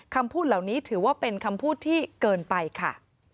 คำพูดเหล่านี้ถือว่าเป็นคำพูดที่เกินไปค่ะ